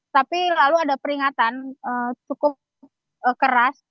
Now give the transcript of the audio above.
tapi lalu ada peringatan cukup keras